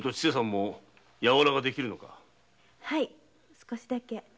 少しだけ。